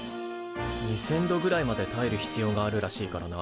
２，０００度ぐらいまでたえる必要があるらしいからな。